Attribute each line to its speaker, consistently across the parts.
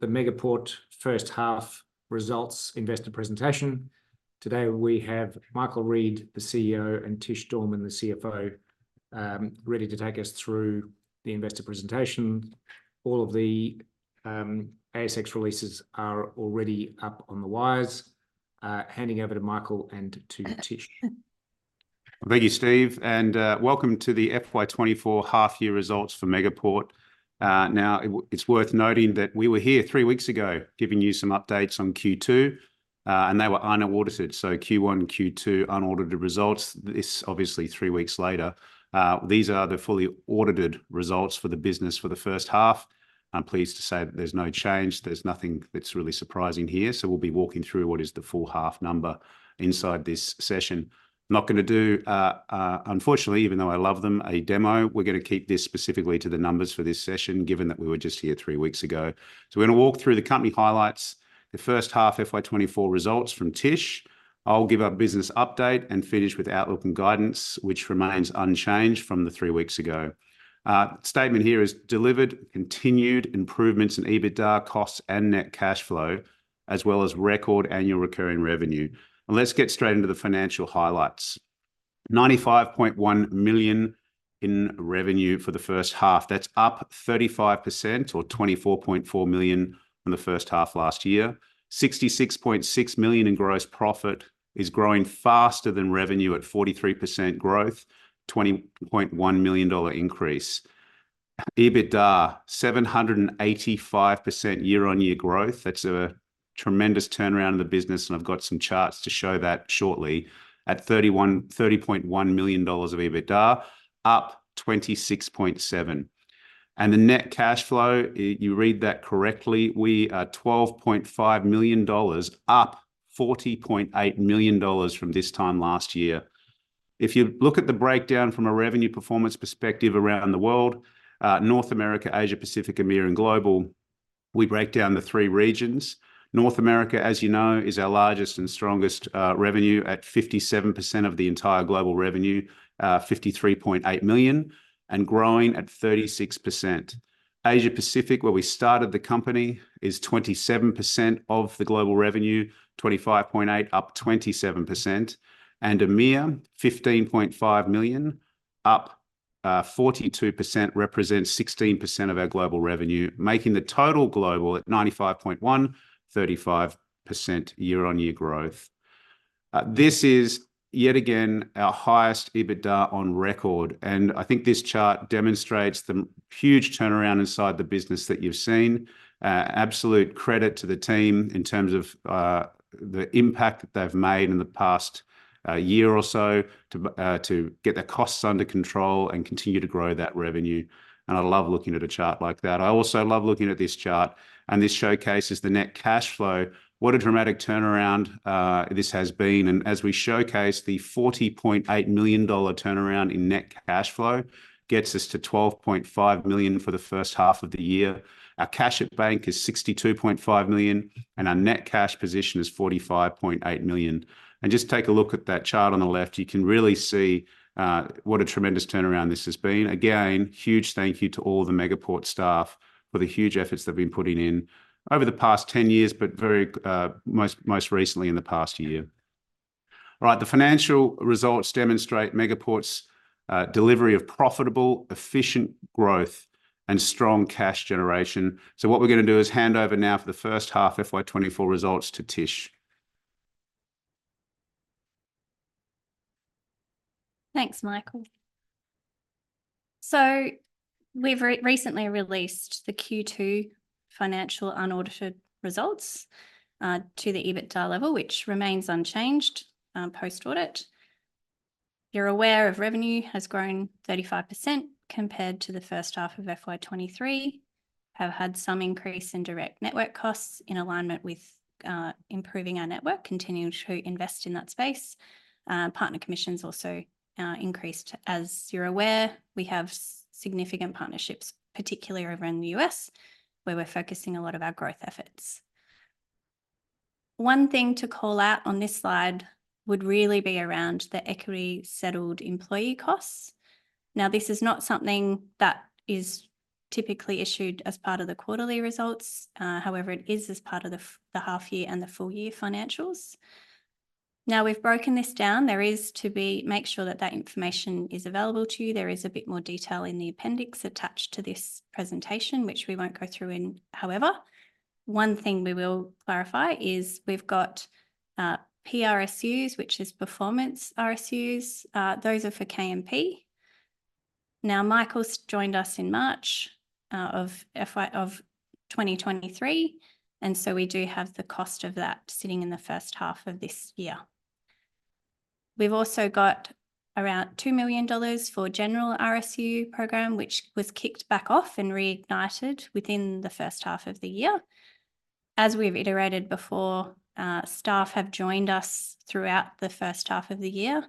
Speaker 1: The Megaport first half results investor presentation. Today, we have Michael Reid, the CEO, and Tish Dorman, the CFO, ready to take us through the investor presentation. All of the ASX releases are already up on the wires. Handing over to Michael and to Tish.
Speaker 2: Thank you, Steve, and welcome to the FY24 half year results for Megaport. Now, it's worth noting that we were here three weeks ago, giving you some updates on Q2, and they were unaudited, so Q1 and Q2 unaudited results. This, obviously, three weeks later. These are the fully audited results for the business for the first half. I'm pleased to say that there's no change. There's nothing that's really surprising here, so we'll be walking through what is the full half number inside this session. Not gonna do, unfortunately, even though I love them, a demo. We're gonna keep this specifically to the numbers for this session, given that we were just here three weeks ago. So we're gonna walk through the company highlights, the first half FY24 results from Tish. I'll give our business update and finish with outlook and guidance, which remains unchanged from the three weeks ago. Statement here is: delivered continued improvements in EBITDA, costs, and net cash flow, as well as record annual recurring revenue. Let's get straight into the financial highlights. 95.1 million in revenue for the first half. That's up 35%, or 24.4 million, from the first half last year. 66.6 million in gross profit, is growing faster than revenue at 43% growth, 20.1 million dollar increase. EBITDA, 785% year-on-year growth. That's a tremendous turnaround in the business, and I've got some charts to show that shortly, 30.1 million dollars of EBITDA, up 26.7 million. The net cash flow, you read that correctly. We are 12.5 million dollars, up 40.8 million dollars from this time last year. If you look at the breakdown from a revenue performance perspective around the world, North America, Asia Pacific, EMEA, and Global, we break down the three regions. North America, as you know, is our largest and strongest, revenue at 57% of the entire global revenue, 53.8 million, and growing at 36%. Asia Pacific, where we started the company, is 27% of the global revenue, 25.8 million, up 27%, and EMEA, 15.5 million, up 42%, represents 16% of our global revenue, making the total global at 95.1 million, 35% year-on-year growth. This is, yet again, our highest EBITDA on record, and I think this chart demonstrates the huge turnaround inside the business that you've seen. Absolute credit to the team in terms of the impact that they've made in the past year or so to get their costs under control and continue to grow that revenue, and I love looking at a chart like that. I also love looking at this chart, and this showcases the net cash flow. What a dramatic turnaround this has been, and as we showcase, the 40.8 million dollar turnaround in net cash flow gets us to 12.5 million for the first half of the year. Our cash at bank is 62.5 million, and our net cash position is 45.8 million. Just take a look at that chart on the left. You can really see what a tremendous turnaround this has been. Again, huge thank you to all the Megaport staff for the huge efforts they've been putting in over the past 10 years, but very most recently in the past year. Right, the financial results demonstrate Megaport's delivery of profitable, efficient growth, and strong cash generation. So what we're gonna do is hand over now for the first half FY 2024 results to Tish.
Speaker 3: Thanks, Michael. So we've recently released the Q2 financial unaudited results to the EBITDA level, which remains unchanged post-audit. You're aware of revenue has grown 35% compared to the first half of FY23, have had some increase in direct network costs in alignment with improving our network, continuing to invest in that space. Partner commissions also increased. As you're aware, we have significant partnerships, particularly over in the U.S., where we're focusing a lot of our growth efforts. One thing to call out on this slide would really be around the equity settled employee costs. Now, this is not something that is typically issued as part of the quarterly results, however, it is as part of the half year and the full year financials. Now, we've broken this down. There is to be... Make sure that that information is available to you. There is a bit more detail in the appendix attached to this presentation, which we won't go through. However, one thing we will clarify is we've got PRSU, which is performance RSUs. Those are for KMP. Now, Michael's joined us in March of FY 2023, and so we do have the cost of that sitting in the first half of this year. We've also got around 2 million dollars for general RSU program, which was kicked back off and reignited within the first half of the year. As we've iterated before, staff have joined us throughout the first half of the year,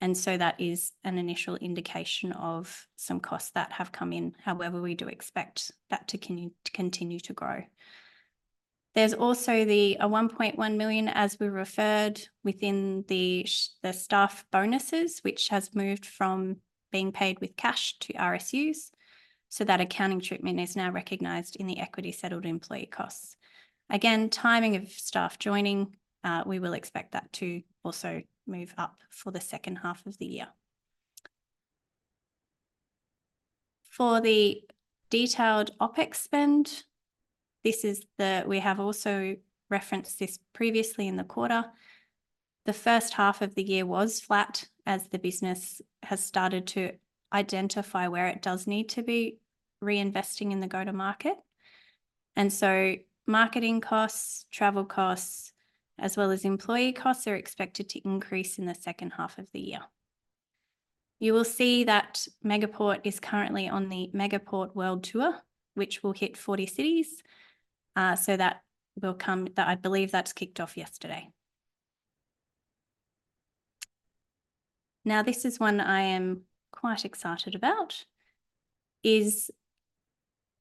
Speaker 3: and so that is an initial indication of some costs that have come in. However, we do expect that to continue to grow. There's also the 1.1 million, as we referred within the the staff bonuses, which has moved from being paid with cash to RSUs, so that accounting treatment is now recognized in the equity-settled employee costs. Again, timing of staff joining, we will expect that to also move up for the second half of the year. For the detailed OpEx spend, we have also referenced this previously in the quarter. The first half of the year was flat, as the business has started to identify where it does need to be reinvesting in the go-to-market. And so marketing costs, travel costs, as well as employee costs, are expected to increase in the second half of the year. You will see that Megaport is currently on the Megaport World Tour, which will hit 40 cities, so that will come. I believe that's kicked off yesterday. Now, this is one I am quite excited about: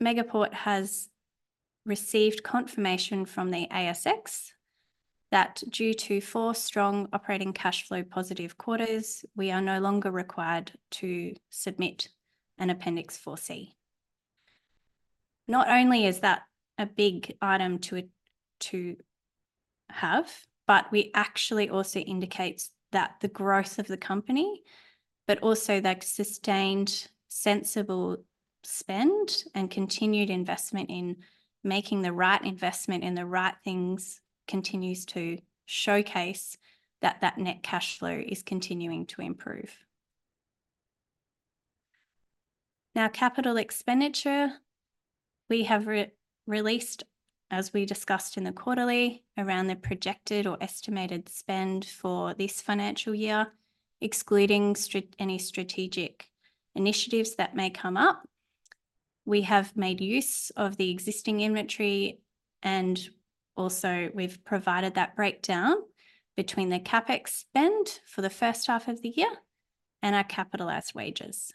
Speaker 3: Megaport has received confirmation from the ASX that, due to four strong operating cash flow positive quarters, we are no longer required to submit an Appendix 4C. Not only is that a big item to have, but we actually also indicates that the growth of the company, but also the sustained sensible spend and continued investment in making the right investment in the right things, continues to showcase that that net cash flow is continuing to improve. Now, capital expenditure, we have released, as we discussed in the quarterly, around the projected or estimated spend for this financial year, excluding any strategic initiatives that may come up. We have made use of the existing inventory, and also we've provided that breakdown between the CapEx spend for the first half of the year and our capitalized wages,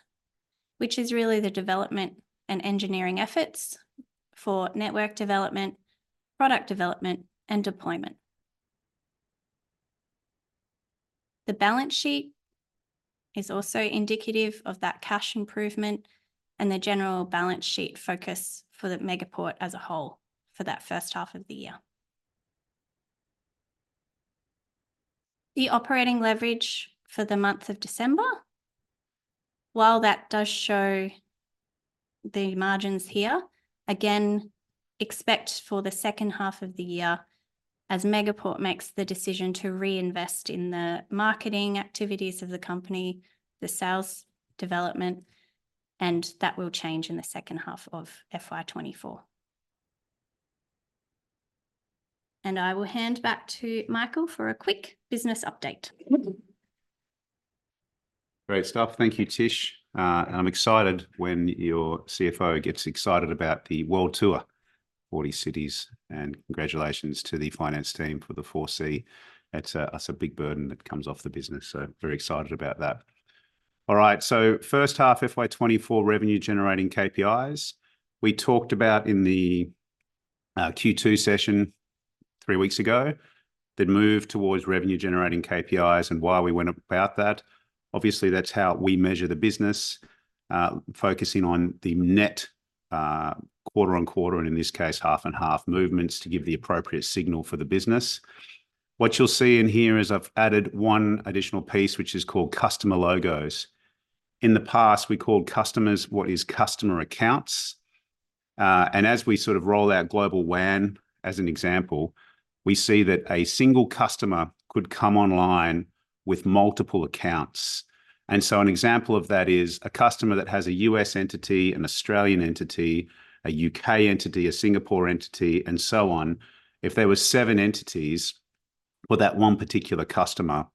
Speaker 3: which is really the development and engineering efforts for network development, product development, and deployment. The balance sheet is also indicative of that cash improvement and the general balance sheet focus for Megaport as a whole for that first half of the year. The operating leverage for the month of December, while that does show the margins here, again, expect for the second half of the year, as Megaport makes the decision to reinvest in the marketing activities of the company, the sales development, and that will change in the second half of FY2024. I will hand back to Michael for a quick business update.
Speaker 2: Great stuff. Thank you, Tish. And I'm excited when your CFO gets excited about the world tour, 40 cities, and congratulations to the finance team for the 4C. That's a, that's a big burden that comes off the business, so very excited about that. All right, so first half FY24 revenue generating KPIs. We talked about in the Q2 session three weeks ago, the move towards revenue generating KPIs and why we went about that. Obviously, that's how we measure the business, focusing on the net quarter-on-quarter, and in this case, half-on-half movements to give the appropriate signal for the business. What you'll see in here is I've added one additional piece, which is called customer logos. In the past, we called customers what is customer accounts, and as we sort of roll out Global WAN, as an example, we see that a single customer could come online with multiple accounts. And so an example of that is a customer that has a U.S. entity, an Australian entity, a U.K. entity, a Singapore entity, and so on. If there were seven entities for that one particular customer,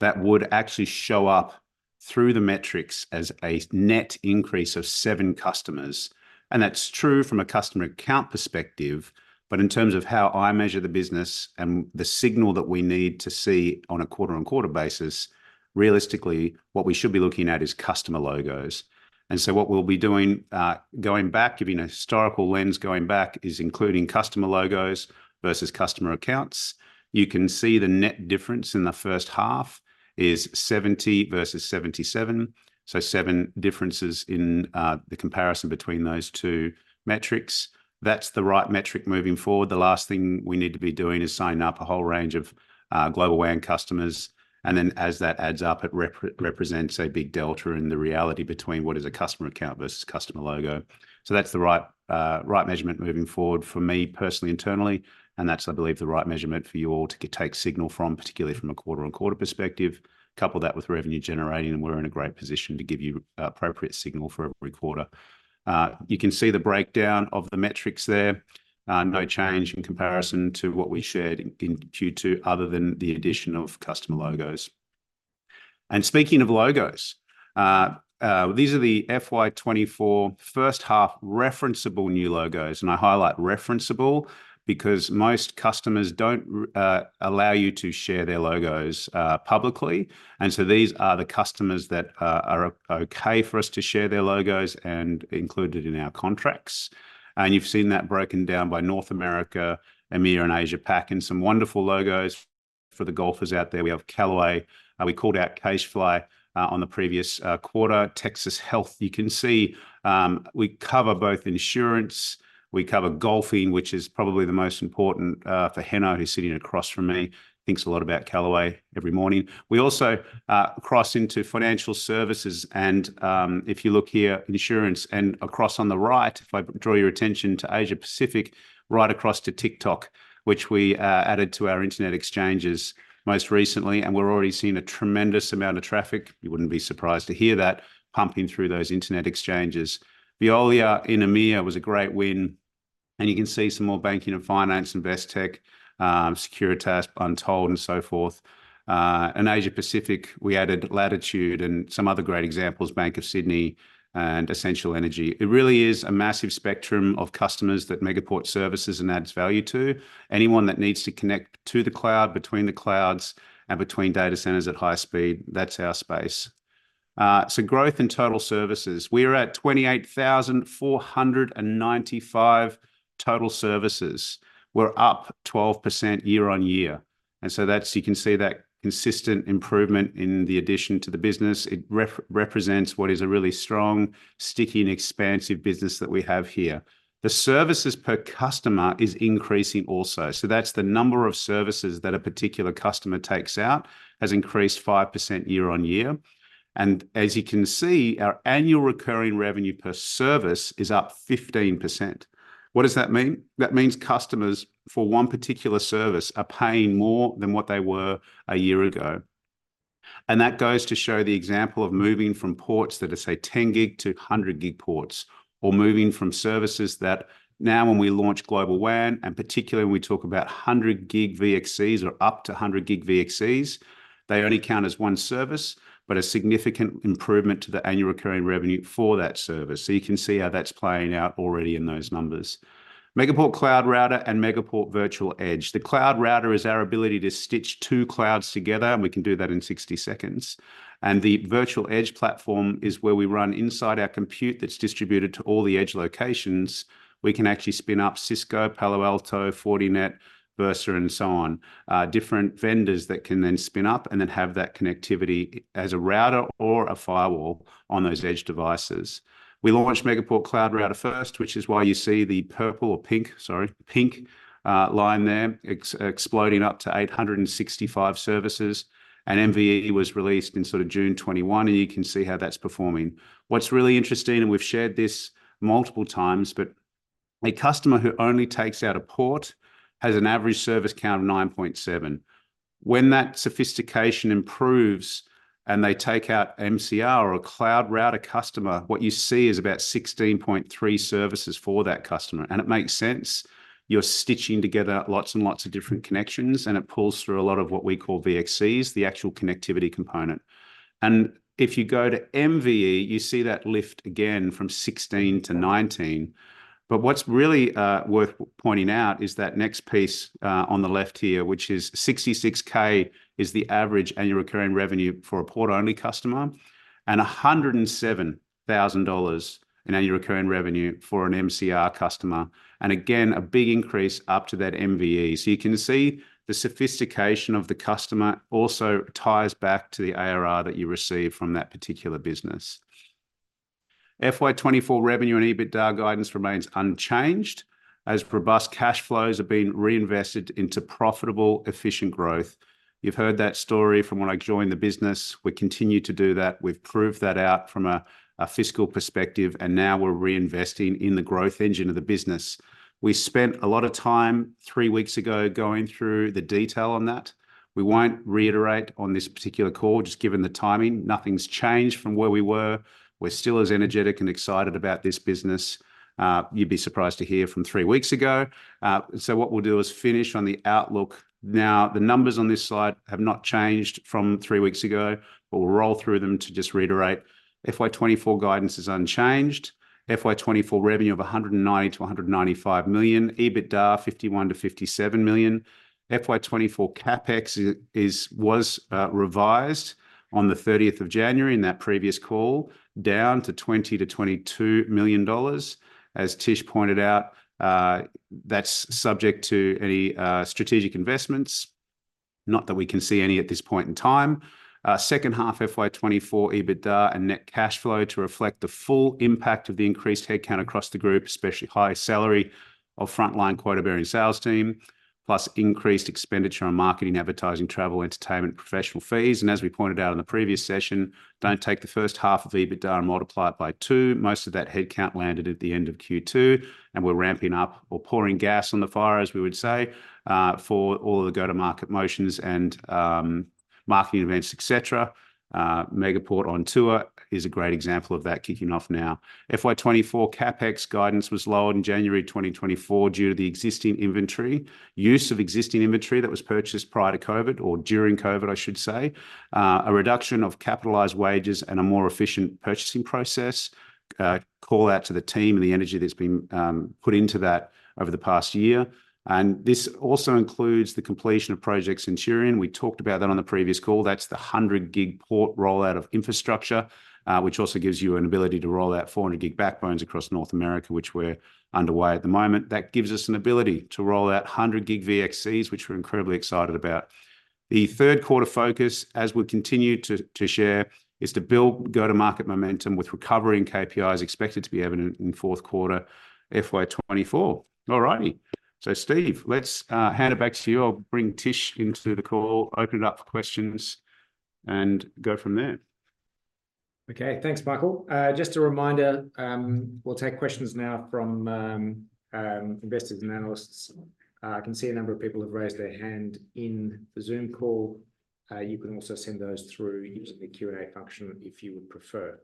Speaker 2: that would actually show up through the metrics as a net increase of seven customers. And that's true from a customer account perspective, but in terms of how I measure the business and the signal that we need to see on a quarter-on-quarter basis, realistically, what we should be looking at is customer logos. And so what we'll be doing, going back, giving a historical lens going back, is including customer logos versus customer accounts. You can see the net difference in the first half is 70 versus 77, so 7 differences in the comparison between those two metrics. That's the right metric moving forward. The last thing we need to be doing is signing up a whole range of Global WAN customers, and then as that adds up, it represents a big delta in the reality between what is a customer account versus customer logo. So that's the right right measurement moving forward for me personally, internally, and that's, I believe, the right measurement for you all to take signal from, particularly from a quarter-on-quarter perspective. Couple that with revenue generating, and we're in a great position to give you appropriate signal for every quarter. You can see the breakdown of the metrics there. No change in comparison to what we shared in Q2, other than the addition of customer logos. And speaking of logos, these are the FY24 first half referenceable new logos, and I highlight referenceable because most customers don't allow you to share their logos publicly. And so these are the customers that are okay for us to share their logos and included in our contracts. And you've seen that broken down by North America, EMEA, and Asia Pac, and some wonderful logos for the golfers out there, we have Callaway, we called out CacheFly on the previous quarter. Texas Health, you can see, we cover both insurance, we cover golfing, which is probably the most important for Hanno, who's sitting across from me, thinks a lot about Callaway every morning. We also cross into financial services and, if you look here, insurance. And across on the right, if I draw your attention to Asia Pacific, right across to TikTok, which we added to our internet exchanges most recently, and we're already seeing a tremendous amount of traffic. You wouldn't be surprised to hear that pumping through those internet exchanges. Veolia in EMEA was a great win, and you can see some more banking and finance, Investec, Securitas, Untold, and so forth. In Asia Pacific, we added Latitude and some other great examples, Bank of Sydney and Essential Energy. It really is a massive spectrum of customers that Megaport services and adds value to. Anyone that needs to connect to the cloud, between the clouds, and between data centers at high speed, that's our space. So growth in total services. We're at 28,495 total services. We're up 12% year-on-year, and so that's—you can see that consistent improvement in addition to the business. It represents what is a really strong, sticky, and expansive business that we have here. The services per customer is increasing also. So that's the number of services that a particular customer takes out, has increased 5% year-on-year. And as you can see, our annual recurring revenue per service is up 15%. What does that mean? That means customers, for one particular service, are paying more than what they were a year ago. That goes to show the example of moving from ports that are, say, 10 gig to 100 gig ports, or moving from services that now, when we launch Global WAN, and particularly when we talk about 100 gig VDCs or up to 100 gig VDCs, they only count as one service, but a significant improvement to the annual recurring revenue for that service. So you can see how that's playing out already in those numbers. Megaport Cloud Router and Megaport Virtual Edge. The cloud router is our ability to stitch two clouds together, and we can do that in 60 seconds. And the Virtual Edge platform is where we run inside our compute that's distributed to all the edge locations. We can actually spin up Cisco, Palo Alto, Fortinet, Versa, and so on. Different vendors that can then spin up and then have that connectivity as a router or a firewall on those edge devices. We launched Megaport Cloud Router first, which is why you see the purple or pink, sorry, pink, line there, exploding up to 865 services. And MVE was released in sort of June 2021, and you can see how that's performing. What's really interesting, and we've shared this multiple times, but a customer who only takes out a port has an average service count of 9.7. When that sophistication improves and they take out MCR or a cloud router customer, what you see is about 16.3 services for that customer, and it makes sense. You're stitching together lots and lots of different connections, and it pulls through a lot of what we call VDCs, the actual connectivity component. If you go to MVE, you see that lift again from 16 to 19. But what's really worth pointing out is that next piece on the left here, which is 66,000, is the average annual recurring revenue for a port-only customer, and 107,000 dollars in annual recurring revenue for an MCR customer. And again, a big increase up to that MVE. So you can see the sophistication of the customer also ties back to the ARR that you receive from that particular business. FY 2024 revenue and EBITDA guidance remains unchanged, as robust cash flows are being reinvested into profitable, efficient growth. You've heard that story from when I joined the business. We continue to do that. We've proved that out from a fiscal perspective, and now we're reinvesting in the growth engine of the business. We spent a lot of time three weeks ago, going through the detail on that. We won't reiterate on this particular call, just given the timing. Nothing's changed from where we were. We're still as energetic and excited about this business, you'd be surprised to hear, from three weeks ago. So what we'll do is finish on the outlook. Now, the numbers on this slide have not changed from three weeks ago. We'll roll through them to just reiterate. FY 2024 guidance is unchanged. FY 2024 revenue of 190-195 million, EBITDA 51-57 million. FY 2024 CapEx is, was, revised on the thirtieth of January in that previous call, down to 20-22 million dollars. As Tish pointed out, that's subject to any strategic investments, not that we can see any at this point in time. Second half, FY 2024 EBITDA and net cash flow to reflect the full impact of the increased headcount across the group, especially high salary of frontline quota-bearing sales team, plus increased expenditure on marketing, advertising, travel, entertainment, professional fees. And as we pointed out in the previous session, don't take the first half of EBITDA and multiply it by two. Most of that headcount landed at the end of Q2, and we're ramping up or pouring gas on the fire, as we would say, for all of the go-to-market motions and marketing events, et cetera. Megaport on Tour is a great example of that kicking off now. FY24 CapEx guidance was lowered in January 2024 due to the existing inventory, use of existing inventory that was purchased prior to COVID or during COVID, I should say, a reduction of capitalized wages and a more efficient purchasing process. Call out to the team and the energy that's been put into that over the past year. And this also includes the completion of Project Centurion. We talked about that on the previous call. That's the 100-gig port rollout of infrastructure, which also gives you an ability to roll out 400-gig backbones across North America, which we're underway at the moment. That gives us an ability to roll out 100-gig VDCs, which we're incredibly excited about.... The third quarter focus, as we continue to share, is to build go-to-market momentum with recovering KPIs expected to be evident in fourth quarter, FY24. All righty. So Steve, let's hand it back to you. I'll bring Tish into the call, open it up for questions, and go from there.
Speaker 1: Okay. Thanks, Michael. Just a reminder, we'll take questions now from investors and analysts. I can see a number of people have raised their hand in the Zoom call. You can also send those through using the Q&A function if you would prefer.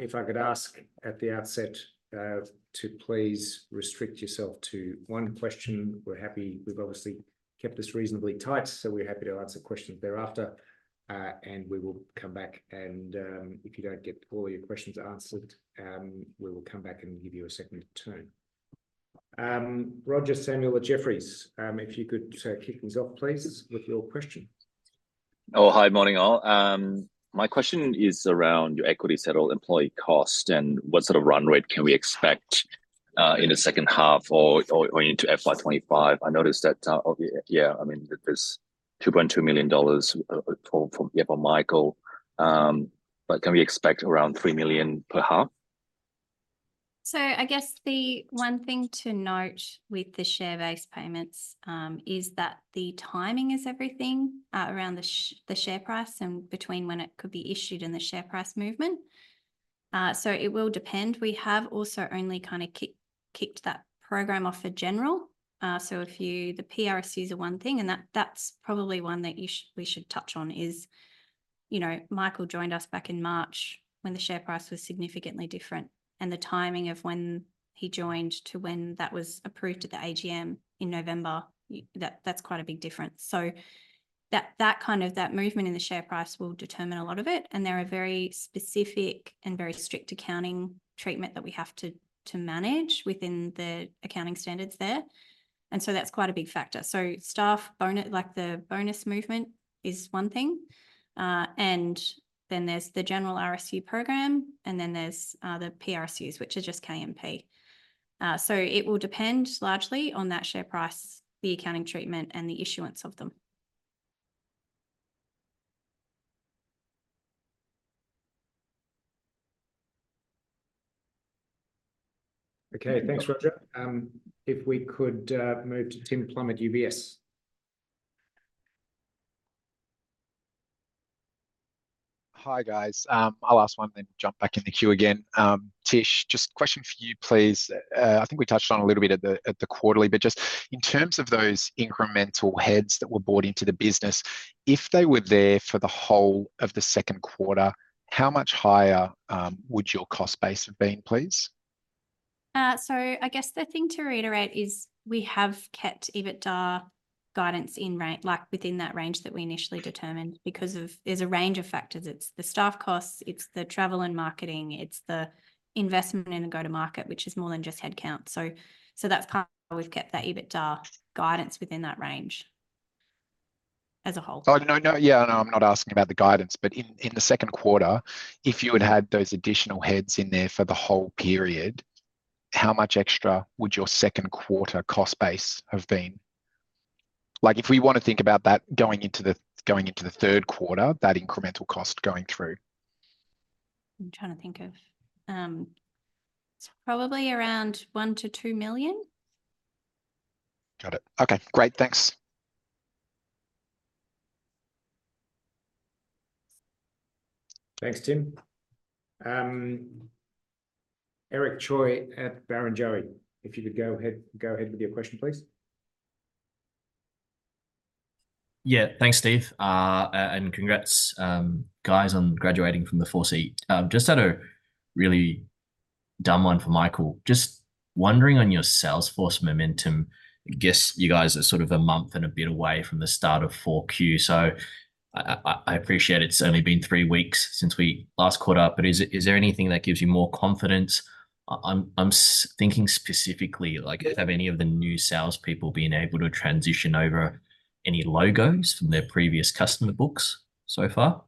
Speaker 1: If I could ask at the outset, to please restrict yourself to one question. We're happy... We've obviously kept this reasonably tight, so we're happy to answer questions thereafter. And we will come back, and if you don't get all your questions answered, we will come back and give you a second turn. Roger Samuel at Jefferies, if you could kick things off, please, with your question.
Speaker 4: Oh, hi, morning, all. My question is around your equity settled employee cost, and what sort of run rate can we expect in the second half or into FY25? I noticed that, yeah, I mean, there's 2.2 million dollars from you or Michael, but can we expect around 3 million per half?
Speaker 3: So I guess the one thing to note with the share-based payments is that the timing is everything around the share price and between when it could be issued and the share price movement. So it will depend. We have also only kind of kicked that program off for general. So if you—the PRSU is one thing, and that, that's probably one that you should, we should touch on, is, you know, Michael joined us back in March when the share price was significantly different, and the timing of when he joined to when that was approved at the AGM in November, that, that's quite a big difference. So that kind of movement in the share price will determine a lot of it, and there are very specific and very strict accounting treatment that we have to manage within the accounting standards there, and so that's quite a big factor. So staff bonus, like, the bonus movement is one thing, and then there's the general RSU program, and then there's the PRSUs, which are just KMP. So it will depend largely on that share price, the accounting treatment, and the issuance of them.
Speaker 1: Okay, thanks, Roger. If we could move to Tim Plumbe at UBS.
Speaker 5: Hi, guys. I'll ask one, then jump back in the queue again. Tish, just a question for you, please. I think we touched on a little bit at the quarterly, but just in terms of those incremental heads that were brought into the business, if they were there for the whole of the second quarter, how much higher would your cost base have been, please?
Speaker 3: So, I guess the thing to reiterate is we have kept EBITDA guidance in range—like, within that range that we initially determined because of, there's a range of factors. It's the staff costs, it's the travel and marketing, it's the investment in the go-to-market, which is more than just headcount. So, so that's part of why we've kept that EBITDA guidance within that range as a whole.
Speaker 5: Oh, no, no. Yeah, no, I'm not asking about the guidance, but in, in the second quarter, if you had had those additional heads in there for the whole period, how much extra would your second quarter cost base have been? Like, if we want to think about that going into the going into the third quarter, that incremental cost going through.
Speaker 3: I'm trying to think of, probably around 1 million-2 million.
Speaker 5: Got it. Okay, great. Thanks.
Speaker 1: Thanks, Tim. Eric Choi at Barrenjoey, if you could go ahead, go ahead with your question, please.
Speaker 6: Yeah, thanks, Steve. Congrats, guys, on graduating from the FTSE. Just had a really dumb one for Michael. Just wondering on your sales force momentum, I guess you guys are sort of a month and a bit away from the start of 4Q, so I appreciate it's only been three weeks since we last caught up, but is there anything that gives you more confidence? I'm thinking specifically, like, have any of the new salespeople been able to transition over any logos from their previous customer books so far?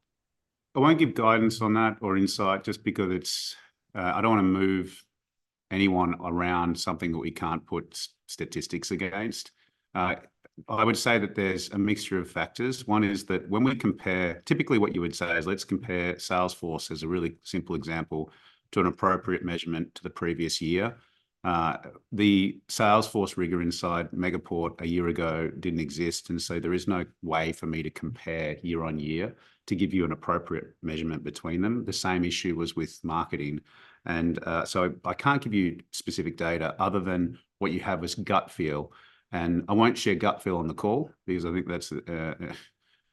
Speaker 2: I won't give guidance on that or insight, just because it's, I don't want to move anyone around something that we can't put statistics against. I would say that there's a mixture of factors. One is that when we compare. Typically, what you would say is, let's compare Salesforce as a really simple example to an appropriate measurement to the previous year. The Salesforce rigor inside Megaport a year ago didn't exist, and so there is no way for me to compare year-on-year to give you an appropriate measurement between them. The same issue was with marketing, and so I can't give you specific data other than what you have as gut feel. And I won't share gut feel on the call because I think that's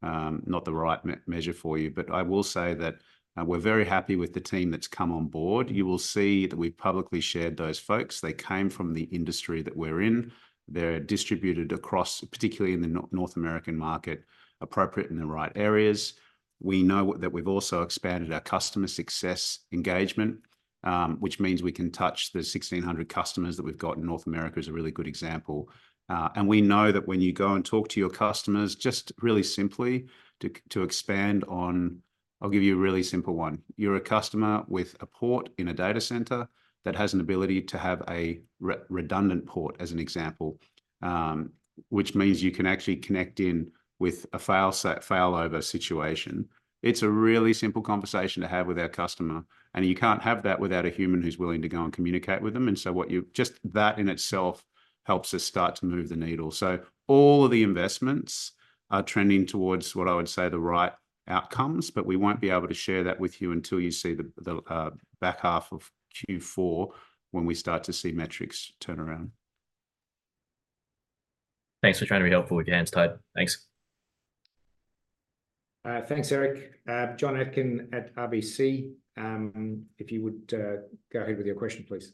Speaker 2: not the right measure for you. But I will say that, we're very happy with the team that's come on board. You will see that we've publicly shared those folks. They came from the industry that we're in. They're distributed across, particularly in the North American market, appropriate in the right areas. We know that we've also expanded our customer success engagement, which means we can touch the 1,600 customers that we've got in North America, is a really good example. And we know that when you go and talk to your customers, just really simply to expand on. I'll give you a really simple one. You're a customer with a port in a data center that has an ability to have a redundant port, as an example, which means you can actually connect in with a failover situation. It's a really simple conversation to have with our customer, and you can't have that without a human who's willing to go and communicate with them. And so what just that in itself helps us start to move the needle. So all of the investments are trending towards what I would say the right outcomes, but we won't be able to share that with you until you see the back half of Q4, when we start to see metrics turn around.
Speaker 6: Thanks for trying to be helpful with your hands tied. Thanks.
Speaker 1: Thanks, Eric. Jon Atkin at RBC, if you would go ahead with your question, please.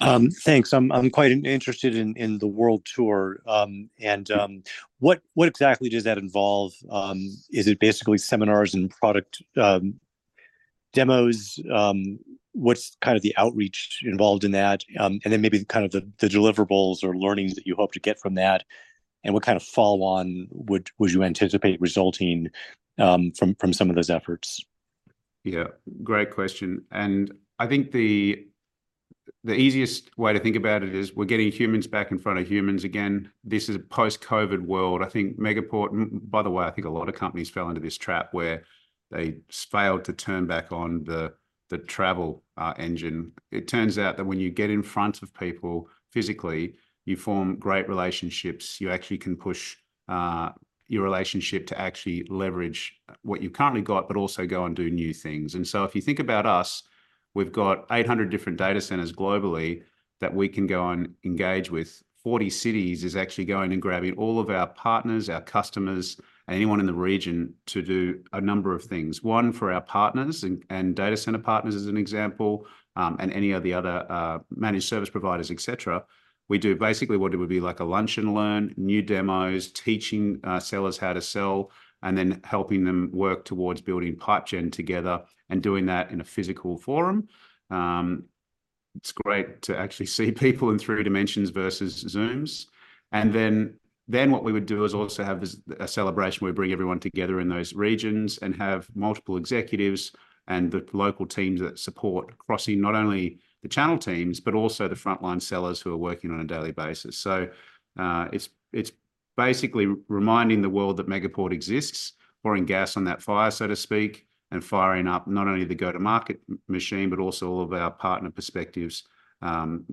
Speaker 7: Thanks. I'm quite interested in the world tour. And what exactly does that involve? Is it basically seminars and product demos? What's kind of the outreach involved in that? And then maybe kind of the deliverables or learnings that you hope to get from that, and what kind of follow-on would you anticipate resulting from some of those efforts?
Speaker 2: Yeah, great question, and I think the easiest way to think about it is we're getting humans back in front of humans again. This is a post-COVID world. I think Megaport, and by the way, I think a lot of companies fell into this trap where they failed to turn back on the travel engine. It turns out that when you get in front of people physically, you form great relationships. You actually can push your relationship to actually leverage what you've currently got, but also go and do new things. And so if you think about us, we've got 800 different data centers globally that we can go and engage with. 40 cities is actually going and grabbing all of our partners, our customers, and anyone in the region to do a number of things. 1. For our partners and data center partners, as an example, and any of the other managed service providers, et cetera. We do basically what it would be like a lunch and learn, new demos, teaching sellers how to sell, and then helping them work towards building pipe gen together, and doing that in a physical forum. It's great to actually see people in three dimensions versus Zooms. And then what we would do is also have this a celebration where we bring everyone together in those regions and have multiple executives and the local teams that support crossing not only the channel teams, but also the frontline sellers who are working on a daily basis. So, it's basically reminding the world that Megaport exists, pouring gas on that fire, so to speak, and firing up not only the go-to-market machine, but also all of our partner perspectives and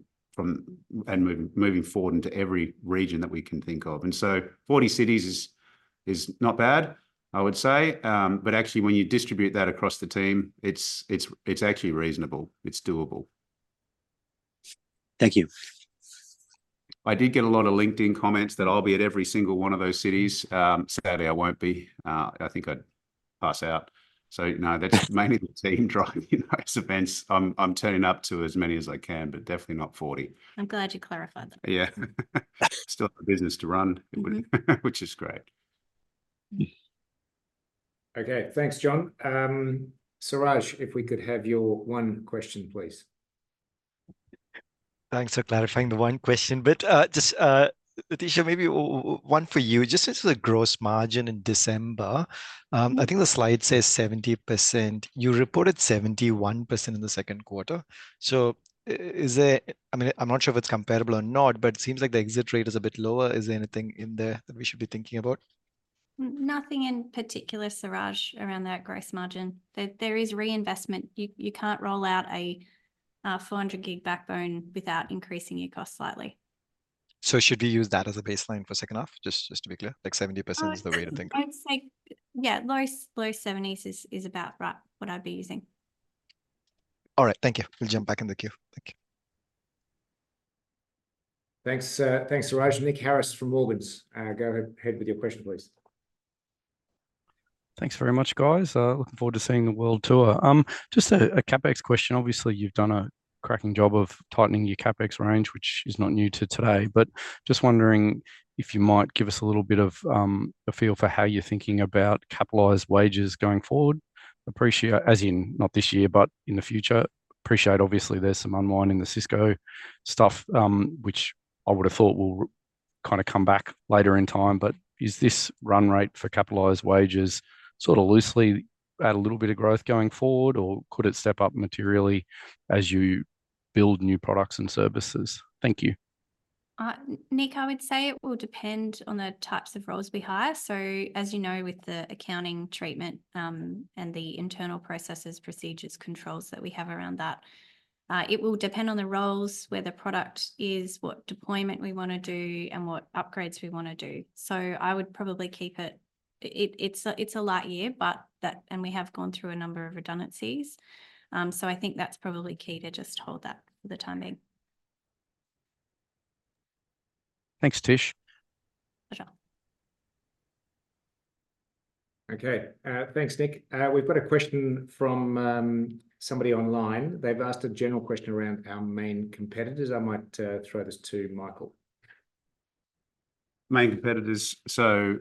Speaker 2: moving forward into every region that we can think of. So 40 cities is not bad, I would say. But actually when you distribute that across the team, it's actually reasonable, it's doable.
Speaker 7: Thank you.
Speaker 2: I did get a lot of LinkedIn comments that I'll be at every single one of those cities. Sadly, I won't be. I think I'd pass out. So no, that's mainly the team driving those events. I'm turning up to as many as I can, but definitely not 40.
Speaker 3: I'm glad you clarified that.
Speaker 2: Yeah. Still have a business to run-
Speaker 3: Mm-hmm...
Speaker 2: which is great.
Speaker 1: Okay, thanks, John. Suraj, if we could have your one question, please.
Speaker 8: Thanks for clarifying the one question, but just Letitia, maybe one for you. Just into the gross margin in December, I think the slide says 70%. You reported 71% in the second quarter. So is there... I mean, I'm not sure if it's comparable or not, but it seems like the exit rate is a bit lower. Is there anything in there that we should be thinking about?
Speaker 3: Nothing in particular, Suraj, around that gross margin. There is reinvestment. You can't roll out a 400G backbone without increasing your cost slightly.
Speaker 8: So should we use that as a baseline for second half? Just, just to be clear, like 70% is the way to think-
Speaker 3: I'd say, yeah, low, low 70s is, is about right, what I'd be using.
Speaker 8: All right. Thank you. We'll jump back in the queue. Thank you.
Speaker 1: Thanks, thanks, Suraj. Nick Harris from Morgans, go ahead with your question, please.
Speaker 9: Thanks very much, guys. Looking forward to seeing the world tour. Just a CapEx question. Obviously, you've done a cracking job of tightening your CapEx range, which is not new to today. But just wondering if you might give us a little bit of a feel for how you're thinking about capitalized wages going forward. Appreciate, as in not this year, but in the future. Obviously, there's some unwinding the Cisco stuff, which I would have thought will kind of come back later in time. But is this run rate for capitalized wages sort of loosely at a little bit of growth going forward, or could it step up materially as you build new products and services? Thank you.
Speaker 3: Nick, I would say it will depend on the types of roles we hire. So as you know, with the accounting treatment, and the internal processes, procedures, controls that we have around that, it will depend on the roles, where the product is, what deployment we want to do, and what upgrades we want to do. So I would probably keep it... it's a, it's a light year, but that, and we have gone through a number of redundancies. So I think that's probably key to just hold that for the time being.
Speaker 9: Thanks, Tish.
Speaker 3: Pleasure.
Speaker 1: Okay. Thanks, Nick. We've got a question from somebody online. They've asked a general question around our main competitors. I might throw this to Michael.
Speaker 2: Main competitors. So,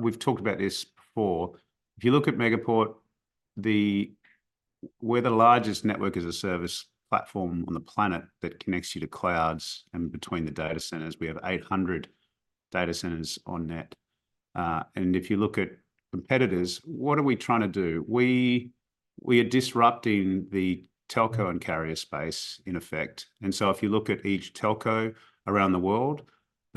Speaker 2: we've talked about this before. If you look at Megaport, we're the largest network as a service platform on the planet that connects you to clouds and between the data centers. We have 800 data centers on net. And if you look at competitors, what are we trying to do? We are disrupting the telco and carrier space in effect. And so if you look at each telco around the world,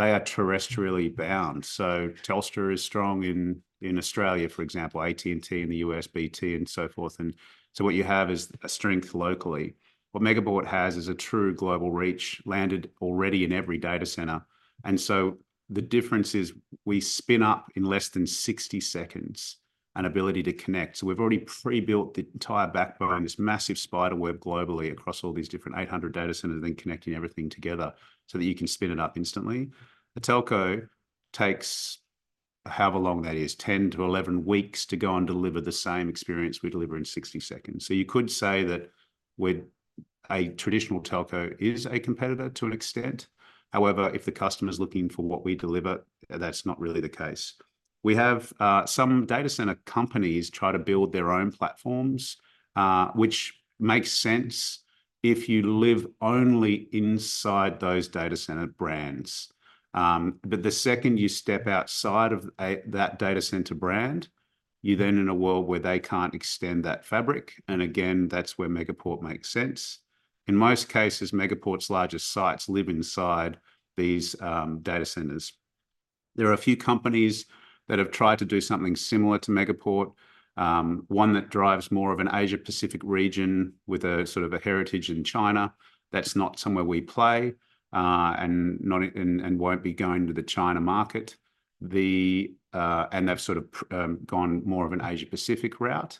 Speaker 2: they are terrestrially bound. So Telstra is strong in Australia, for example, AT&T in the U.S., BT and so forth. And so what you have is a strength locally. What Megaport has is a true global reach, landed already in every data center. And so the difference is we spin up in less than 60 seconds, an ability to connect. So we've already pre-built the entire backbone, this massive spiderweb globally across all these different 800 data centers, and then connecting everything together so that you can spin it up instantly. A telco takes, however long that is, 10-11 weeks to go and deliver the same experience we deliver in 60 seconds. So you could say that with a traditional telco is a competitor to an extent. However, if the customer's looking for what we deliver, that's not really the case. We have some data center companies try to build their own platforms, which makes sense if you live only inside those data center brands. But the second you step outside of that data center brand, you're then in a world where they can't extend that fabric, and again, that's where Megaport makes sense. In most cases, Megaport's largest sites live inside these data centers. There are a few companies that have tried to do something similar to Megaport. One that drives more of an Asia Pacific region with a sort of a heritage in China. That's not somewhere we play, and won't be going to the China market. And they've sort of gone more of an Asia Pacific route.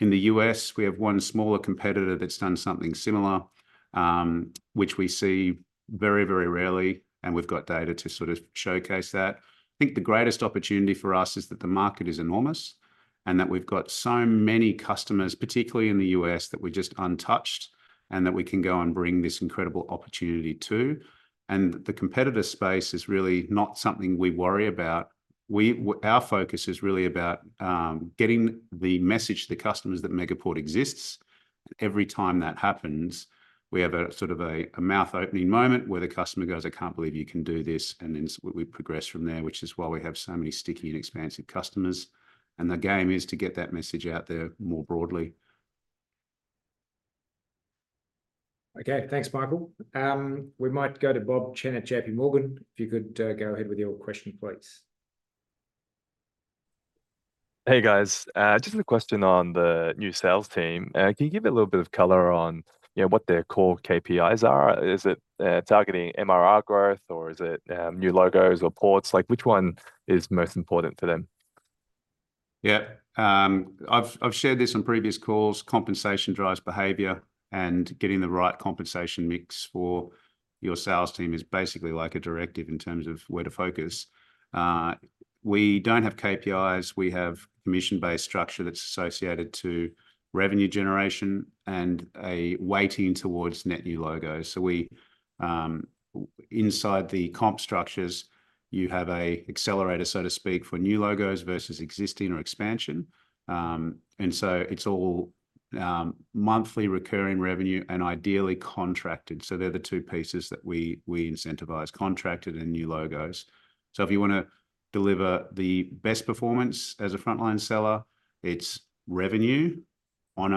Speaker 2: In the U.S., we have one smaller competitor that's done something similar, which we see very, very rarely, and we've got data to sort of showcase that. I think the greatest opportunity for us is that the market is enormous, and that we've got so many customers, particularly in the U.S., that we're just untouched, and that we can go and bring this incredible opportunity to. The competitor space is really not something we worry about. Our focus is really about getting the message to customers that Megaport exists. Every time that happens, we have a sort of mouth-opening moment where the customer goes: "I can't believe you can do this," and then we progress from there, which is why we have so many sticky and expansive customers. The game is to get that message out there more broadly.
Speaker 1: Okay, thanks, Michael. We might go to Bob Chen at J.P. Morgan, if you could go ahead with your question, please.
Speaker 10: Hey, guys. Just a question on the new sales team. Can you give a little bit of color on, you know, what their core KPIs are? Is it targeting MRR growth, or is it new logos or ports? Like, which one is most important to them?
Speaker 2: Yeah. I've shared this on previous calls, compensation drives behavior, and getting the right compensation mix for your sales team is basically like a directive in terms of where to focus. We don't have KPIs, we have commission-based structure that's associated to revenue generation and a weighting towards net new logos. So we, inside the comp structures, you have a accelerator, so to speak, for new logos versus existing or expansion. And so it's all, monthly recurring revenue and ideally contracted. So they're the two pieces that we, we incentivize, contracted and new logos. So if you want to deliver the best performance as a frontline seller, it's revenue on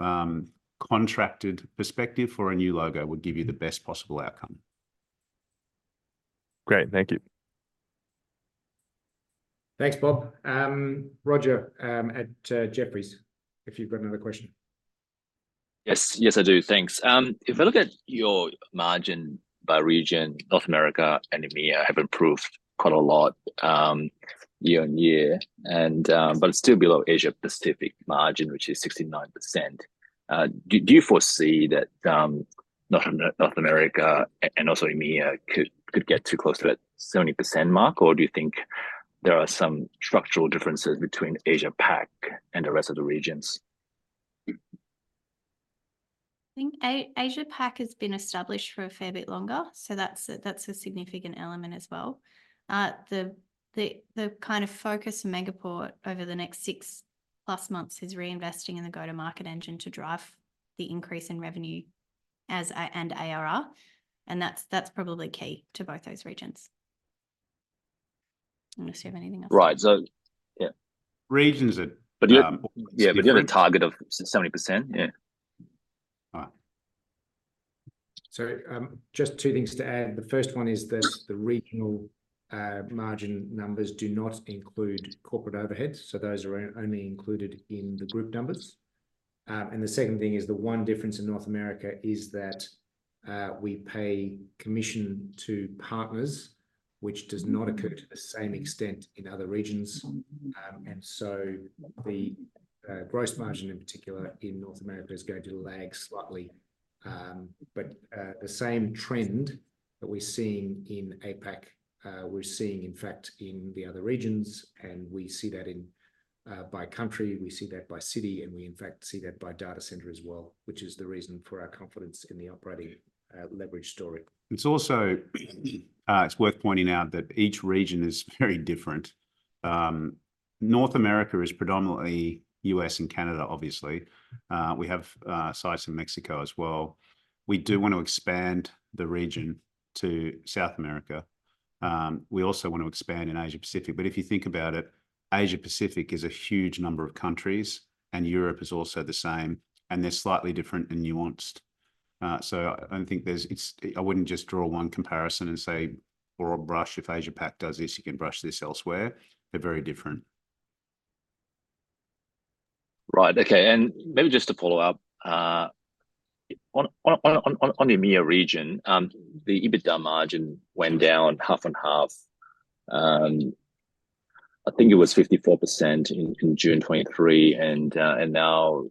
Speaker 2: a, contracted perspective for a new logo would give you the best possible outcome.
Speaker 10: Great, thank you.
Speaker 1: Thanks, Bob. Roger, at Jefferies, if you've got another question.
Speaker 4: Yes. Yes, I do. Thanks. If I look at your margin by region, North America and EMEA have improved quite a lot, year on year, and, but it's still below Asia Pacific margin, which is 69%. Do you foresee that, North America and also EMEA could get too close to that 70% mark? Or do you think there are some structural differences between Asia Pac and the rest of the regions?
Speaker 3: I think Asia Pac has been established for a fair bit longer, so that's a, that's a significant element as well. The kind of focus for Megaport over the next six plus months is reinvesting in the go-to-market engine to drive the increase in revenue as, and ARR, and that's, that's probably key to both those regions. Unless you have anything else?
Speaker 4: Right. So, yeah.
Speaker 2: Regions are,
Speaker 4: Yeah, do you have a target of 70%? Yeah.
Speaker 2: Right.
Speaker 1: Just two things to add. The first one is that the regional margin numbers do not include corporate overheads, so those are only included in the group numbers. And the second thing is, the one difference in North America is that we pay commission to partners, which does not occur to the same extent in other regions. And so the gross margin, in particular in North America, is going to lag slightly. But the same trend that we're seeing in APAC, we're seeing, in fact, in the other regions, and we see that in by country, we see that by city, and we in fact see that by data center as well, which is the reason for our confidence in the operating leverage story.
Speaker 2: It's also, it's worth pointing out that each region is very different. North America is predominantly U.S. and Canada, obviously. We have sites in Mexico as well. We do want to expand the region to South America. We also want to expand in Asia-Pacific, but if you think about it, Asia-Pacific is a huge number of countries, and Europe is also the same, and they're slightly different and nuanced. So I wouldn't just draw one comparison and say, or a brush, if Asia-Pac does this, you can brush this elsewhere. They're very different.
Speaker 4: Right. Okay, and maybe just to follow up on the EMEA region, the EBITDA margin went down half and half. I think it was 54% in June 2023, and now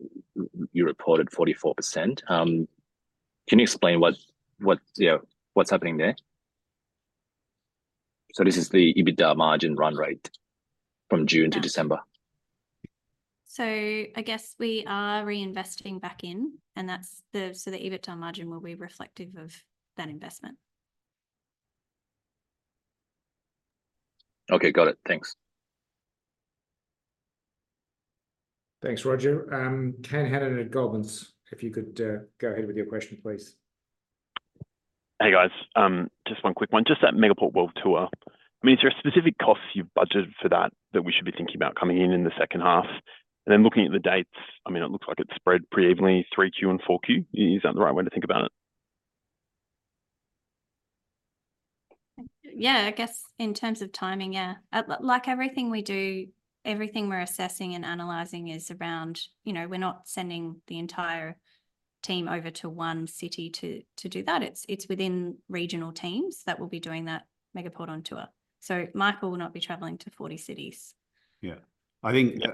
Speaker 4: you reported 44%. Can you explain what yeah, what's happening there? So this is the EBITDA margin run rate from June to December.
Speaker 3: I guess we are reinvesting back in, and that's the... So the EBITDA margin will be reflective of that investment.
Speaker 4: Okay, got it. Thanks.
Speaker 1: Thanks, Roger. Kane Hannan at Goldmans, if you could, go ahead with your question, please.
Speaker 11: Hey, guys. Just one quick one. Just that Megaport world tour, I mean, is there a specific cost you've budgeted for that, that we should be thinking about coming in in the second half? And then looking at the dates, I mean, it looks like it's spread pretty evenly, 3Q and 4Q. Is that the right way to think about it?
Speaker 3: Yeah, I guess in terms of timing, yeah. Like everything we do, everything we're assessing and analyzing is around... You know, we're not sending the entire team over to one city to, to do that. It's, it's within regional teams that will be doing that Megaport on Tour. So Michael will not be traveling to 40 cities.
Speaker 2: Yeah. I think-
Speaker 11: Yeah ...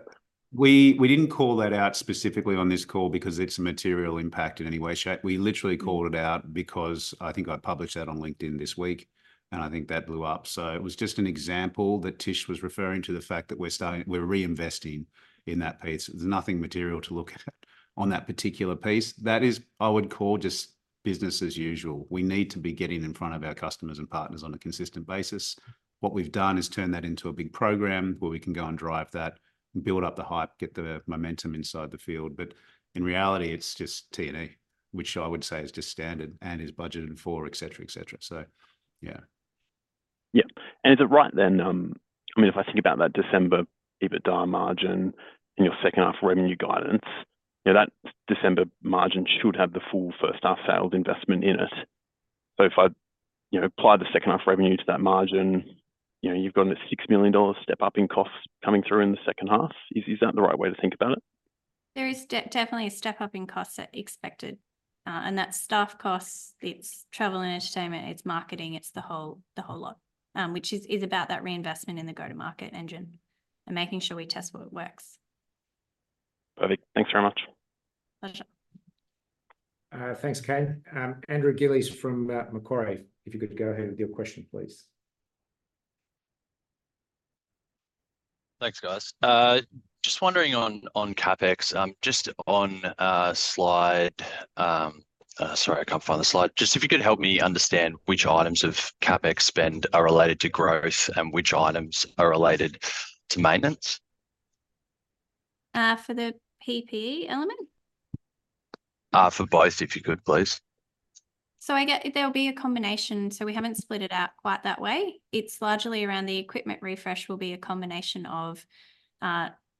Speaker 2: we, we didn't call that out specifically on this call because it's a material impact in any way, shape. We literally called it out because I think I published that on LinkedIn this week, and I think that blew up. So it was just an example that Tish was referring to the fact that we're starting- we're reinvesting in that piece. There's nothing material to look at on that particular piece. That is, I would call, just business as usual. We need to be getting in front of our customers and partners on a consistent basis. What we've done is turn that into a big program where we can go and drive that, build up the hype, get the momentum inside the field. But in reality, it's just T&E, which I would say is just standard and is budgeted for, et cetera, et cetera. So, yeah.
Speaker 11: Yeah. And is it right then, I mean, if I think about that December EBITDA margin in your second half revenue guidance, yeah, that December margin should have the full first half sales investment in it. So if I, you know, apply the second half revenue to that margin, you know, you've got this 6 million dollars step-up in costs coming through in the second half. Is that the right way to think about it?
Speaker 3: There is definitely a step-up in costs expected. And that's staff costs, it's travel and entertainment, it's marketing, it's the whole, the whole lot, which is about that reinvestment in the go-to-market engine and making sure we test what works.
Speaker 11: Perfect. Thanks very much.
Speaker 3: Pleasure.
Speaker 1: Thanks, Kane. Andrew Gillies from Macquarie, if you could go ahead with your question, please.
Speaker 12: Thanks, guys. Just wondering on CapEx, just on slide. Sorry, I can't find the slide. Just if you could help me understand which items of CapEx spend are related to growth, and which items are related to maintenance?
Speaker 3: For the PP&E element?
Speaker 12: For both, if you could, please.
Speaker 3: So I get... There'll be a combination, so we haven't split it out quite that way. It's largely around the equipment refresh will be a combination of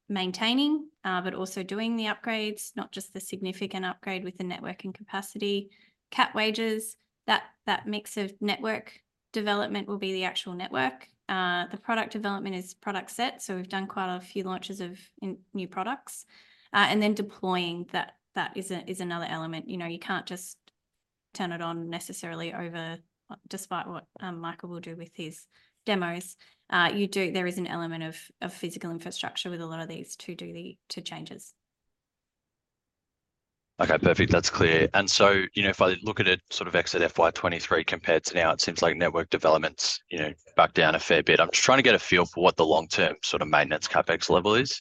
Speaker 3: maintaining, but also doing the upgrades, not just the significant upgrade with the networking capacity. CapEx wages, that mix of network development will be the actual network. The product development is product set, so we've done quite a few launches of new products. And then deploying, that is another element. You know, you can't just turn it on necessarily over, despite what Michael will do with his demos. There is an element of physical infrastructure with a lot of these to do the changes.
Speaker 12: Okay, perfect. That's clear. And so, you know, if I look at it sort of exit FY 2023 compared to now, it seems like network development's, you know, back down a fair bit. I'm just trying to get a feel for what the long-term sort of maintenance CapEx level is.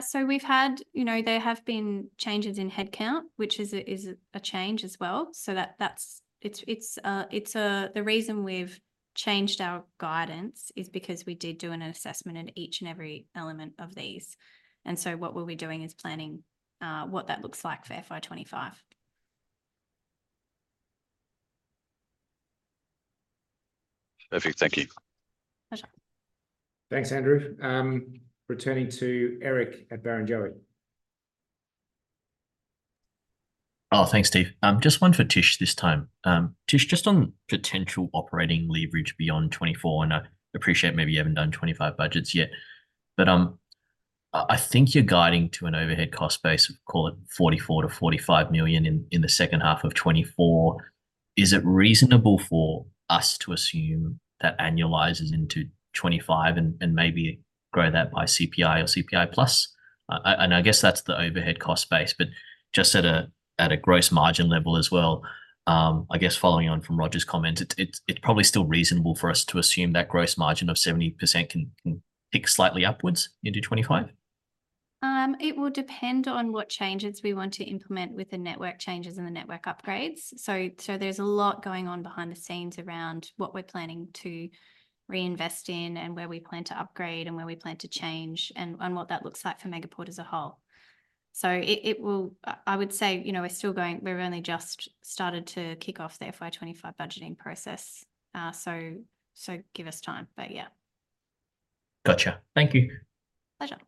Speaker 3: So we've had. You know, there have been changes in headcount, which is a change as well. So that's the reason we've changed our guidance is because we did do an assessment in each and every element of these, and so what we'll be doing is planning what that looks like for FY 2025.
Speaker 12: Perfect. Thank you.
Speaker 3: Pleasure.
Speaker 1: Thanks, Andrew. Returning to Eric at Barrenjoey.
Speaker 6: Oh, thanks, Steve. Just one for Tish this time. Tish, just on potential operating leverage beyond 2024, and I appreciate maybe you haven't done 2025 budgets yet. But, I think you're guiding to an overhead cost base, call it 44-45 million in the second half of 2024. Is it reasonable for us to assume that annualizes into 2025 and maybe grow that by CPI or CPI plus? And I guess that's the overhead cost base, but just at a gross margin level as well, I guess following on from Roger's comment, it's probably still reasonable for us to assume that gross margin of 70% can tick slightly upwards into 2025?...
Speaker 3: it will depend on what changes we want to implement with the network changes and the network upgrades. So, there's a lot going on behind the scenes around what we're planning to reinvest in, and where we plan to upgrade, and where we plan to change, and what that looks like for Megaport as a whole. So it will—I would say, you know, we're still going—We've only just started to kick off the FY25 budgeting process. So, give us time, but yeah.
Speaker 6: Gotcha. Thank you.
Speaker 3: Pleasure.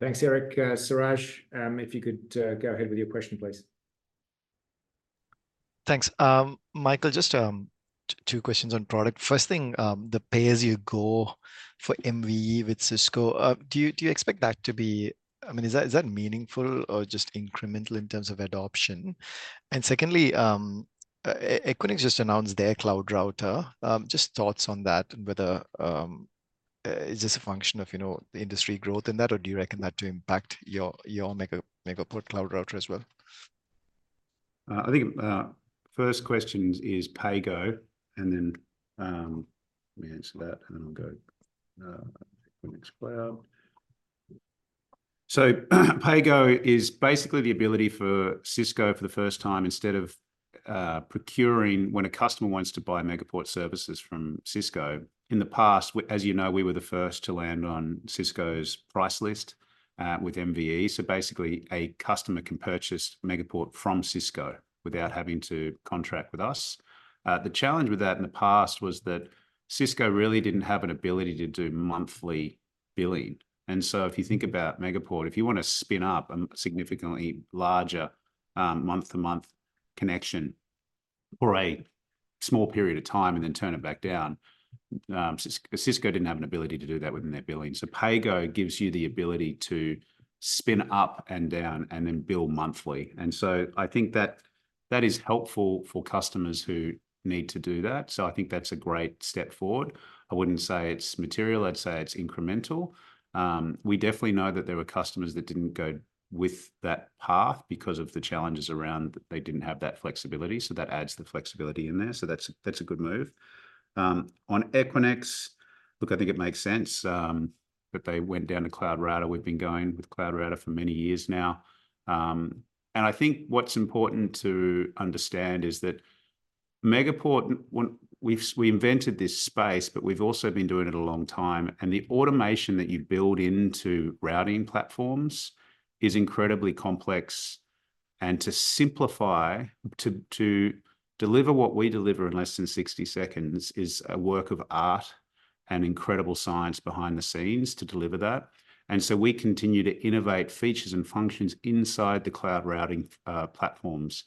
Speaker 1: Thanks, Eric. Siraj, if you could go ahead with your question, please.
Speaker 8: Thanks. Michael, just two questions on product. First thing, the pay-as-you-go for MVE with Cisco, do you expect that to be... I mean, is that meaningful or just incremental in terms of adoption? And secondly, Equinix just announced their cloud router. Just thoughts on that, and whether is this a function of, you know, the industry growth in that, or do you reckon that to impact your Megaport Cloud Router as well?
Speaker 2: I think first question is PayGo, and then let me answer that, and then I'll go Equinix cloud. So, PayGo is basically the ability for Cisco, for the first time, instead of when a customer wants to buy Megaport services from Cisco, in the past, as you know, we were the first to land on Cisco's price list with MVE. So basically, a customer can purchase Megaport from Cisco without having to contract with us. The challenge with that in the past was that Cisco really didn't have an ability to do monthly billing. And so if you think about Megaport, if you want to spin up a significantly larger month-to-month connection for a small period of time and then turn it back down, Cisco didn't have an ability to do that within their billing. So PayGo gives you the ability to spin up and down, and then bill monthly. And so I think that, that is helpful for customers who need to do that, so I think that's a great step forward. I wouldn't say it's material, I'd say it's incremental. We definitely know that there were customers that didn't go with that path because of the challenges around, they didn't have that flexibility, so that adds the flexibility in there. So that's a good move. On Equinix, look, I think it makes sense, but they went down the cloud router. We've been going with cloud router for many years now. And I think what's important to understand is that Megaport, we've invented this space, but we've also been doing it a long time, and the automation that you build into routing platforms is incredibly complex. To simplify, to deliver what we deliver in less than 60 seconds is a work of art and incredible science behind the scenes to deliver that. And so we continue to innovate features and functions inside the cloud routing platforms.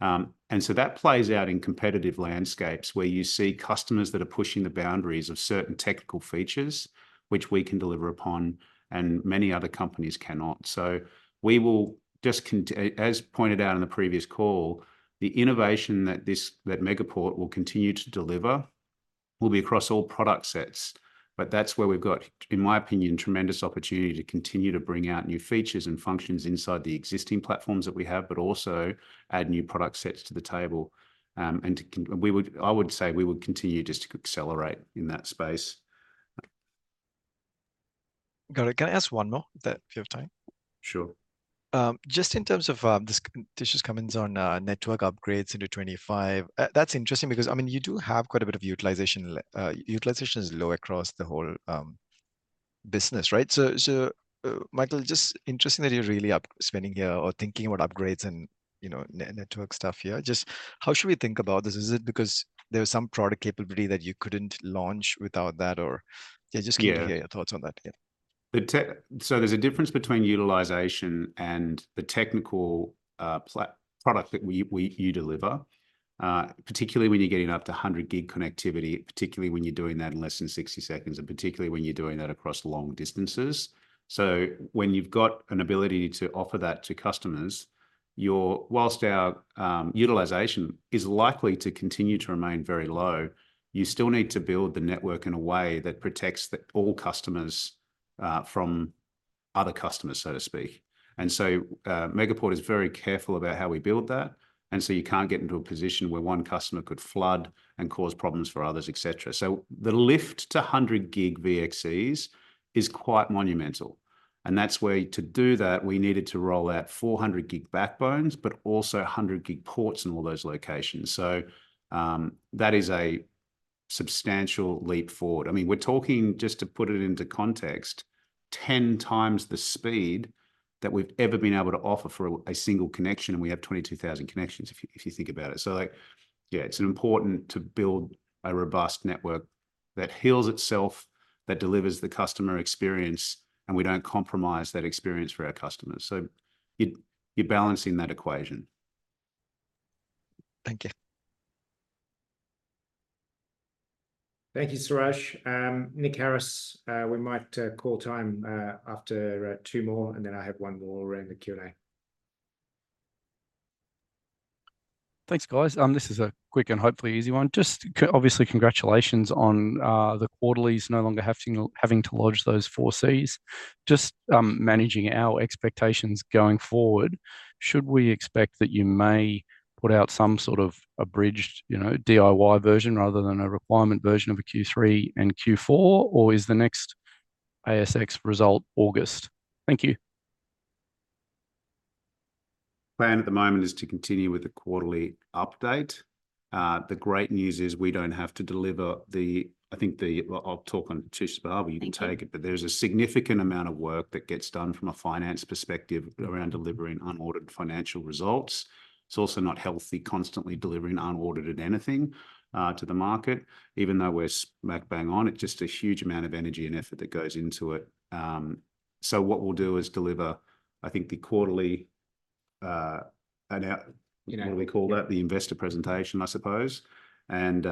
Speaker 2: And so that plays out in competitive landscapes, where you see customers that are pushing the boundaries of certain technical features, which we can deliver upon and many other companies cannot. So we will just, as pointed out in the previous call, the innovation that Megaport will continue to deliver will be across all product sets. But that's where we've got, in my opinion, tremendous opportunity to continue to bring out new features and functions inside the existing platforms that we have, but also add new product sets to the table. We would, I would say, we would continue just to accelerate in that space.
Speaker 8: Got it. Can I ask one more, if that, if you have time?
Speaker 2: Sure.
Speaker 8: Just in terms of just comments on network upgrades into 2025. That's interesting because, I mean, you do have quite a bit of utilization. Utilization is low across the whole business, right? So, Michael, just interesting that you're really up spending here or thinking about upgrades and, you know, network stuff here. Just how should we think about this? Is it because there was some product capability that you couldn't launch without that? Or... Yeah, just-
Speaker 2: Yeah...
Speaker 8: want to hear your thoughts on that. Yeah.
Speaker 2: So there's a difference between utilization and the technical, product that we, we, you deliver, particularly when you're getting up to 100 gig connectivity, particularly when you're doing that in less than 60 seconds, and particularly when you're doing that across long distances. So when you've got an ability to offer that to customers, your, whilst our, utilization is likely to continue to remain very low, you still need to build the network in a way that protects the, all customers, from other customers, so to speak. And so, Megaport is very careful about how we build that, and so you can't get into a position where one customer could flood and cause problems for others, et cetera. So the lift to 100-gig VXCs is quite monumental, and that's where to do that, we needed to roll out 400-gig backbones, but also 100-gig ports in all those locations. So, that is a substantial leap forward. I mean, we're talking, just to put it into context, 10 times the speed that we've ever been able to offer for a single connection, and we have 22,000 connections, if you, if you think about it. So like, yeah, it's important to build a robust network that heals itself, that delivers the customer experience, and we don't compromise that experience for our customers. So you're balancing that equation.
Speaker 8: Thank you.
Speaker 1: Thank you, Suraj. Nick Harris, we might call time after two more, and then I have one more around the Q&A.
Speaker 9: Thanks, guys. This is a quick and hopefully easy one. Just obviously, congratulations on the quarterlies no longer having to lodge those 4Cs. Just managing our expectations going forward, should we expect that you may put out some sort of abridged, you know, DIY version rather than a requirement version of a Q3 and Q4, or is the next ASX result August? Thank you....
Speaker 2: plan at the moment is to continue with the quarterly update. The great news is we don't have to deliver the, I think. Well, I'll talk on to Spencer, but you can take it. But there's a significant amount of work that gets done from a finance perspective around delivering unaudited financial results. It's also not healthy, constantly delivering unaudited anything to the market, even though we're smack bang on it, just a huge amount of energy and effort that goes into it. So what we'll do is deliver, I think, the quarterly ana-
Speaker 9: Yeah.
Speaker 2: What do we call that? The investor presentation, I suppose. And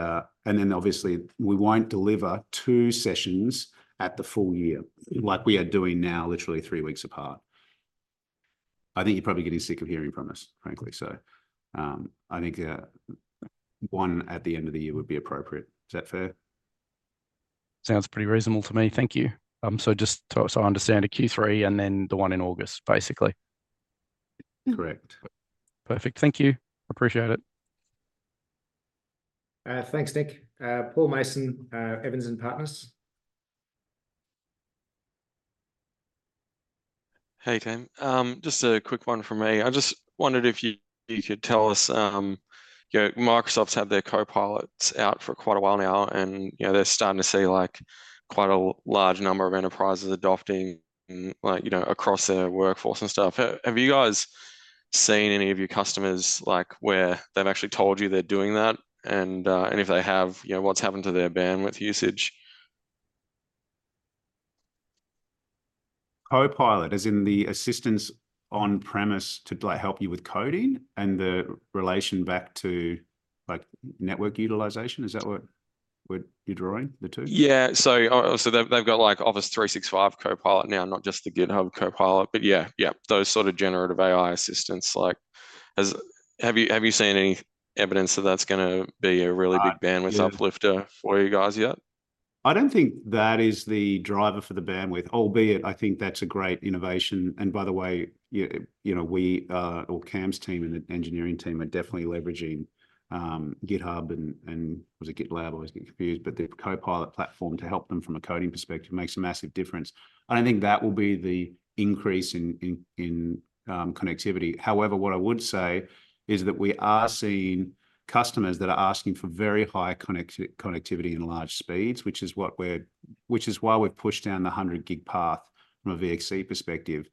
Speaker 2: then obviously, we won't deliver two sessions at the full year, like we are doing now, literally three weeks apart. I think you're probably getting sick of hearing from us, frankly. So, I think one at the end of the year would be appropriate. Is that fair?
Speaker 9: Sounds pretty reasonable to me. Thank you. So just so I understand a Q3, and then the one in August, basically.
Speaker 3: Mm.
Speaker 2: Correct.
Speaker 9: Perfect. Thank you. Appreciate it.
Speaker 1: Thanks, Nick. Paul Mason, Evans and Partners.
Speaker 13: Hey, Tim. Just a quick one from me. I just wondered if you could tell us, you know, Microsoft's had their Copilots out for quite a while now, and, you know, they're starting to see, like, quite a large number of enterprises adopting, like, you know, across their workforce and stuff. Have you guys seen any of your customers, like, where they've actually told you they're doing that? And if they have, you know, what's happened to their bandwidth usage?
Speaker 2: Copilot, as in the assistance on-premise to, like, help you with coding and the relation back to, like, network utilization? Is that what, what you're drawing the two?
Speaker 13: Yeah. So they've got, like, Office 365 Copilot now, not just the GitHub Copilot, but yeah, yeah, those sort of generative AI assistants like... Have you seen any evidence that that's gonna be a really-
Speaker 2: Uh, yeah...
Speaker 13: big bandwidth uplifter for you guys yet?
Speaker 2: I don't think that is the driver for the bandwidth, albeit I think that's a great innovation. And by the way, yeah, you know, we or Cam's team and the engineering team are definitely leveraging GitHub, and was it GitLab? I always get confused. But the Copilot platform to help them from a coding perspective makes a massive difference, and I think that will be the increase in connectivity. However, what I would say is that we are seeing customers that are asking for very high connectivity and large speeds, which is why we've pushed down the 100 gig path from a VXC perspective.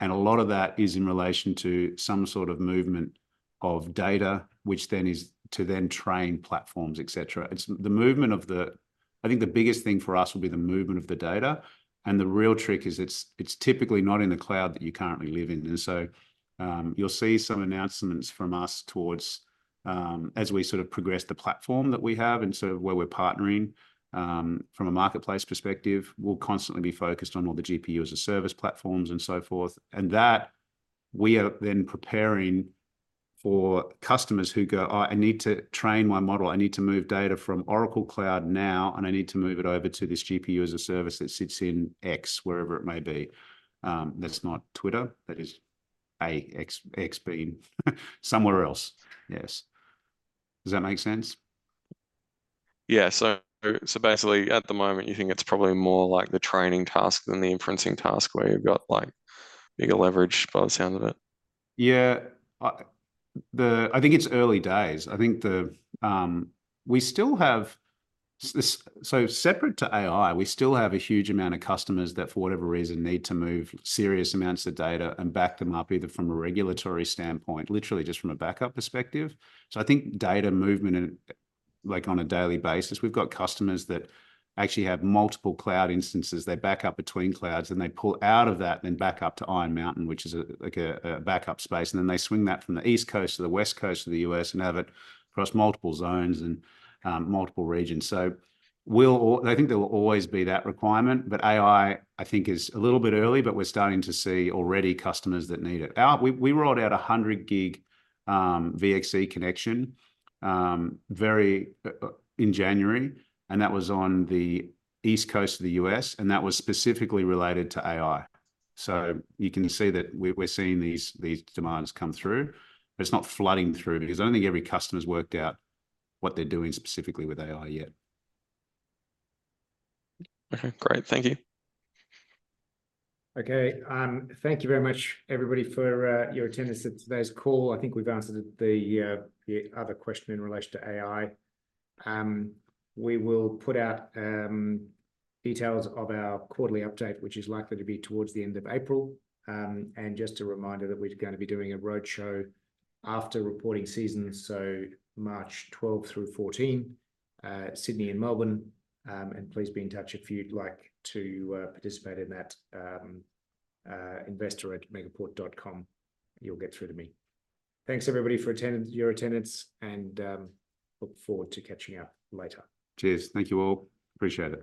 Speaker 2: And a lot of that is in relation to some sort of movement of data, which then is to then train platforms, et cetera. It's... The movement of the data. I think the biggest thing for us will be the movement of the data, and the real trick is it's typically not in the cloud that you currently live in. And so, you'll see some announcements from us towards as we sort of progress the platform that we have and sort of where we're partnering. From a marketplace perspective, we'll constantly be focused on all the GPU-as-a-service platforms and so forth, and that we are then preparing for customers who go: "I need to train my model. I need to move data from Oracle Cloud now, and I need to move it over to this GPU-as-a-service that sits in X," wherever it may be. That's not Twitter, that is a X being somewhere else. Yes. Does that make sense?
Speaker 13: Yeah, so, so basically, at the moment, you think it's probably more like the training task than the inferencing task, where you've got, like, bigger leverage, by the sound of it?
Speaker 2: Yeah. I think it's early days. I think. We still have so separate to AI, we still have a huge amount of customers that, for whatever reason, need to move serious amounts of data and back them up, either from a regulatory standpoint, literally just from a backup perspective. So I think data movement, like, on a daily basis, we've got customers that actually have multiple cloud instances. They back up between clouds, and they pull out of that, then back up to Iron Mountain, which is a, like a backup space, and then they swing that from the East Coast to the West Coast of the U.S. and have it across multiple zones and multiple regions. So we'll I think there will always be that requirement, but AI, I think, is a little bit early, but we're starting to see already customers that need it. We rolled out a 100-gig VXC connection early in January, and that was on the East Coast of the U.S., and that was specifically related to AI. So you can see that we, we're seeing these demands come through, but it's not flooding through because I don't think every customer's worked out what they're doing specifically with AI yet.
Speaker 13: Okay, great. Thank you.
Speaker 1: Okay, thank you very much, everybody, for your attendance at today's call. I think we've answered the other question in relation to AI. We will put out details of our quarterly update, which is likely to be towards the end of April. And just a reminder that we're gonna be doing a roadshow after reporting season, so March 12-14, Sydney and Melbourne. And please be in touch if you'd like to participate in that. investor@megaport.com, you'll get through to me. Thanks, everybody, for attending, your attendance, and look forward to catching up later.
Speaker 2: Cheers. Thank you all. Appreciate it.